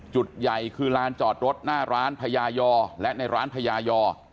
จุดใหญ่คือลานจอดรถหน้าร้านพญายอและในร้านพญายอ